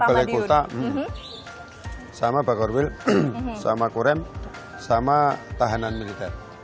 balai kota sama bakar will sama korem sama tahanan militer